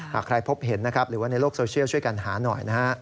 หากใครพบเห็นนะครับหรือว่าในโลกโซเชียลช่วยกันหาหน่อยนะฮะ